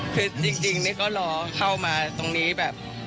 คือจริงนี่ก็รอเข้ามาตรงนี้แบบ